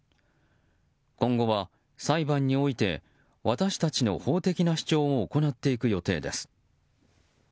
今後は、裁判において私たちの法的な主張を行っていく予定です。